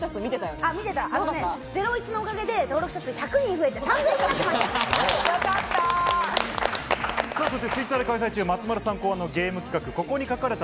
『ゼロイチ』のおかげで登録者数１００人増えて３０００人になってました。